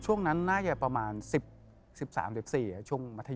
ช่วงนั้นน่าจะประมาณ๑๓๑๔ช่วงมัธย